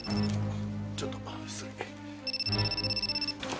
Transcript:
ちょっと失礼。